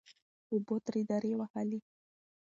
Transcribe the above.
اوبو ترې دارې وهلې. .